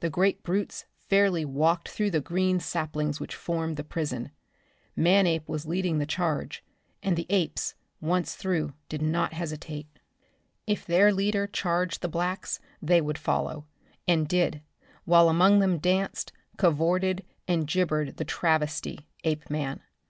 The great brutes fairly walked through the green saplings which formed the prison. Manape was leading the charge, and the apes, once through, did not hesitate. If their leader charged the blacks they would follow and did, while among them danced, cavorted and gibbered the travesty, Apeman.